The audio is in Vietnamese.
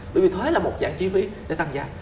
bởi vì thuế là một dạng chi phí để tăng giá